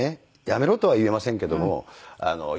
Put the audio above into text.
やめろとは言えませんけども。